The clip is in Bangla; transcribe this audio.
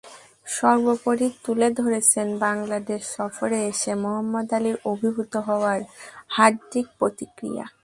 সর্বোপরি তুলে ধরেছেন বাংলাদেশ সফরে এসে মোহাম্মদ আলীর অভিভূত হওয়ার হার্দিক প্রতিক্রিয়া।